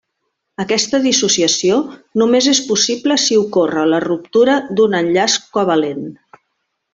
Aquesta dissociació només és possible si ocorre la ruptura d'un enllaç covalent.